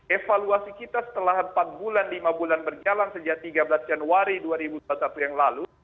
evaluasi kita setelah empat bulan lima bulan berjalan sejak tiga belas januari dua ribu dua puluh satu yang lalu